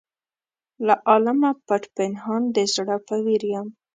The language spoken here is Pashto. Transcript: له عالمه پټ پنهان د زړه په ویر یم.